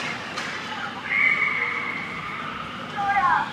ما دي د کوثر په نوم د زهرو جام چښلی دی